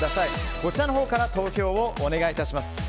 こちらのほうから投票をお願いします。